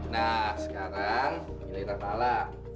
nah sekarang kita bala